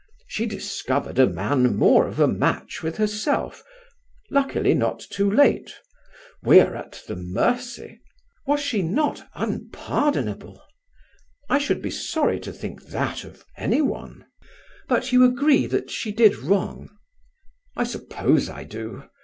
She discovered a man more of a match with herself; luckily not too late. We're at the mercy ..." "Was she not unpardonable?" "I should be sorry to think that of any one." "But you agree that she did wrong." "I suppose I do.